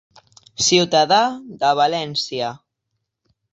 Ciutadà de València.